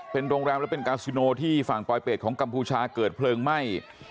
เป็นโรงแรมและเป็นกาซิโนที่ฝั่งปลอยเป็ดของกัมพูชาเกิดเพลิงไหม้